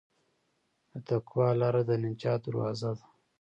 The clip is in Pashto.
د تقوی لاره د نجات دروازه ده.